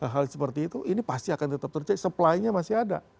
hal seperti itu ini pasti akan tetap terjadi supply nya masih ada